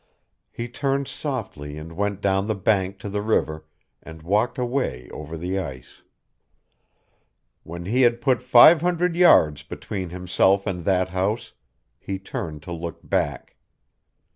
He turned softly and went down the bank to the river and walked away over the ice. When he had put five hundred yards between himself and that house, he turned to look back.